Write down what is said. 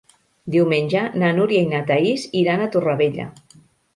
Diumenge na Núria i na Thaís iran a Torrevella.